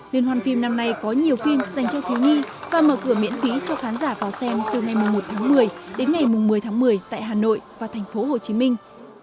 liên hoàn phim năm nay có nhiều phim dành cho thiếu nhi và mở cửa miễn phí cho khán giả vào xem từ ngày một tháng một mươi đến ngày một mươi tháng một mươi tại hà nội và thành phố hồ chí minh